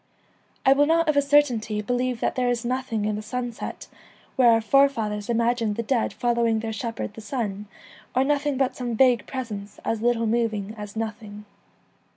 I will not of a certainty believe that there is nothing in the sunset, where our fore fathers imagined the dead following their shepherd the sun, or nothing but some vague presence as little moving as nothing.